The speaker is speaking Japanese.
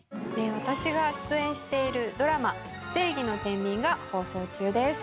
私が出演しているドラマ「正義の天秤」が放送中です。